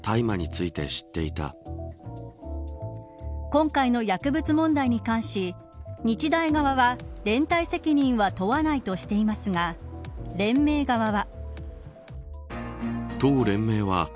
今回の薬物問題に関し日大側は、連帯責任は問わないとしていますが連盟側は。